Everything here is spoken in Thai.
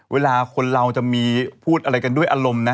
เวลาคนเราจะมีพูดอะไรกันด้วยอารมณ์นะ